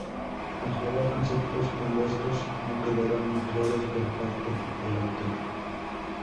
Aclarar conceptos, cuando estos no quedaron muy claros por parte del autor.